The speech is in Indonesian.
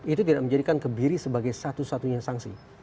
itu tidak menjadikan kebiri sebagai satu satunya sanksi